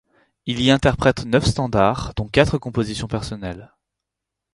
Il y interprète neuf standards dont quatre compositions personnelles.